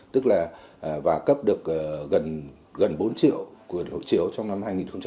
tức là và cấp được gần bốn triệu của hộ chiếu trong năm hai nghìn hai mươi ba